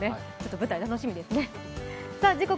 舞台、楽しみですね。